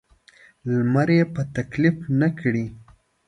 لمر یې په تکلیف نه کړي.